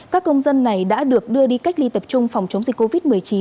các công dân này đã được đưa đi cách ly tập trung phòng chống dịch covid một mươi chín